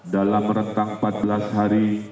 dalam rentang empat belas hari